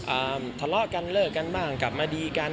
ทะเลาะกันเลิกกันบ้างกลับมาดีกัน